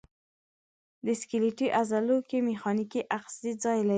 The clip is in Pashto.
په سکلیټي عضلو کې میخانیکي آخذې ځای لري.